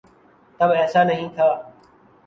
تب ایسا نہیں تھا۔